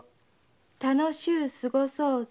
楽しゅう過ごそうぞ。